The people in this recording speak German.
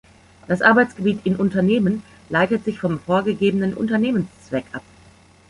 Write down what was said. Das Arbeitsgebiet in Unternehmen leitet sich vom vorgegebenen Unternehmenszweck ab.